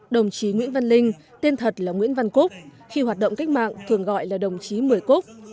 đồng chí nguyễn văn linh tên thật là nguyễn văn cúc khi hoạt động cách mạng thường gọi là đồng chí mười cúc